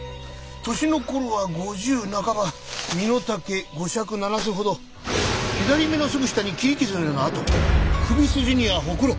年の頃は５０半ば身の丈５尺７寸ほど左目のすぐ下に切り傷のような痕首筋にはほくろ。